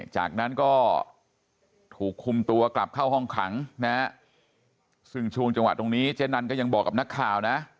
จากนั้นก็ถูกคุมตัวกลับเข้าห้องขังนะฮะซึ่งช่วงจังหวะตรงนี้เจ๊นันก็ยังบอกกับนักข่าวนะ